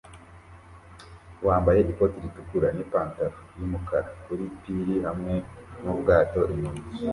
wambaye ikoti ritukura nipantaro yumukara kuri pir hamwe nubwato inyuma